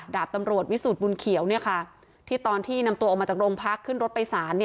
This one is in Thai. ดาบตำรวจวิสุทธิบุญเขียวที่ตอนที่นำตัวออกมาจากโรงพักขึ้นรถไปสาร